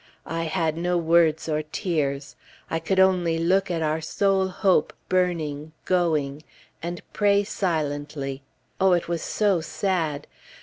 I had no words or tears; I could only look at our sole hope burning, going, and pray silently. Oh, it was so sad!